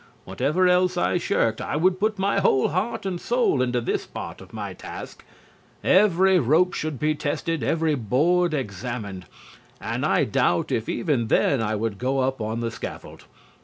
Whatever else I shirked, I would put my whole heart and soul into this part of my task. Every rope should be tested, every board examined, and I doubt if even then I would go up on the scaffold.